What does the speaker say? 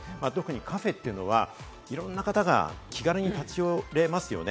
カフェはいろんな方が気軽に立ち寄れますよね。